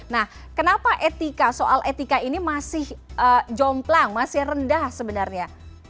nah kenapa etika soal etika ini masih jomplang masih rendah sebenarnya